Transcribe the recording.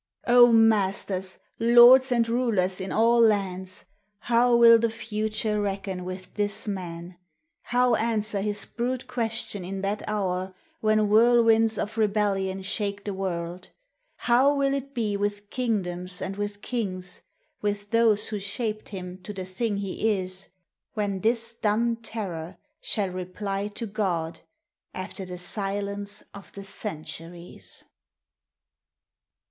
O masters, lords and rulers in all lands, How will the Future reckon with this Man ? How answer his brute question in that hour When whirlwinds of rebellion shake the world ? How will it be with kingdoms and with kings — With those who shaped him to the thing he is — When this dumb Terror shall reply to God After the silence of the centuries